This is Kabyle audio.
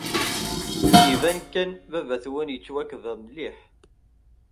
Iban kan baba-twen yettwakba mliḥ.